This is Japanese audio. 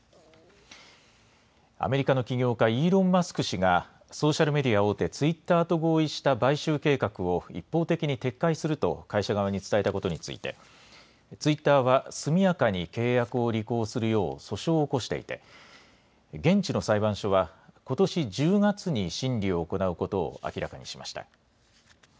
アメリカの起業家、イーロン・マスク氏が、ソーシャルメディア大手、ツイッターと合意した買収計画を一方的に撤回すると会社側に伝えたことについて、ツイッターは速やかに契約を履行するよう、訴訟を起こしていて、現地の裁判所は、ことし１０月に審理を行うことを明らかにしました。